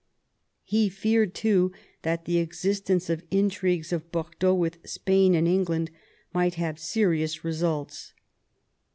He feared too that the existence of intrigues of Bordeaux with Spain and England might have serious results.